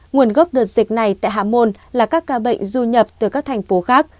nguồn gốc đợt dịch này tại hạ môn là các ca bệnh du nhập từ các thành phố khác